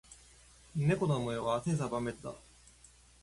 猫の模様は千差万別だ。